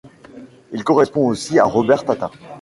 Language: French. Il correspond aussi avec Robert Tatin.